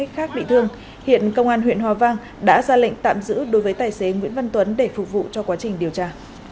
khác bị thương hiện công an huyện hòa vang đã ra lệnh tạm giữ đối với tài xế nguyễn văn tuấn để phục vụ cho quá trình điều tra